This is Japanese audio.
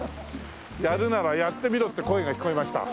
「やるならやってみろ」って声が聞こえました。